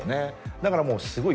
だからもうすごい。